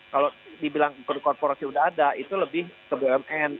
kalau dibilang ke korporasi udah ada itu lebih ke bumn